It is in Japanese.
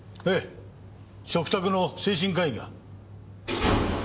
嘱託の精神科医が。